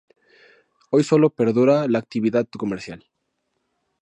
Hoy solo perdura la actividad comercial.